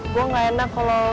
gue gak enak kalo